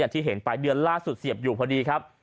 ที่เห็นไปเดือนล่าสุดเสียบอยู่พอดีครับ